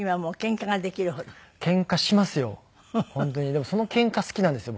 でもそのケンカ好きなんですよ